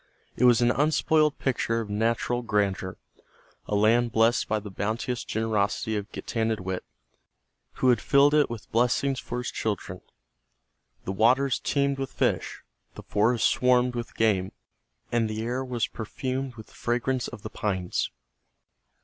It was an unspoiled picture of natural grandeur, a land blessed by the bounteous generosity of Getanittowit, who had filled it with blessings for his children. The waters teemed with fish, the forests swarmed with game, and the air was perfumed with the fragrance of the pines.